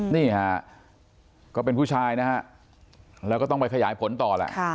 นี่ฮะก็เป็นผู้ชายนะฮะแล้วก็ต้องไปขยายผลต่อแหละ